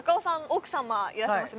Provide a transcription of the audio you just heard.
奥様いらっしゃいます